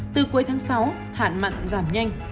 từ cuối tháng sáu hạn mặn giảm nhanh